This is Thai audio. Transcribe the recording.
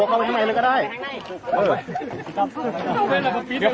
กลัวมันเห็นไม้เยอะ